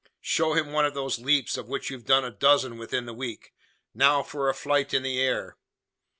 Show him one of those leaps, of which you've done a dozen within the week. Now for a flight in the air!"